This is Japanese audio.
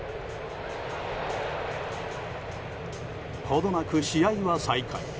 程なく試合は再開。